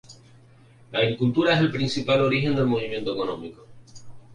La agricultura es el principal origen del movimiento económico.